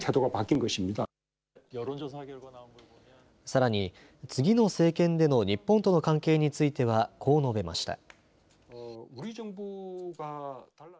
さらに次の政権での日本との関係についてはこう述べました。